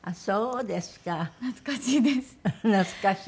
そうですか。